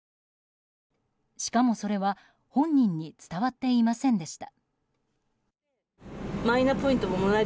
しかもそれは本人に伝わっていませんでした。